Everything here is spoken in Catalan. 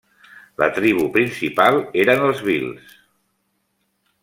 La tribu principal eren els bhils.